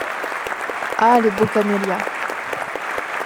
Ah ! les beaux camélias !…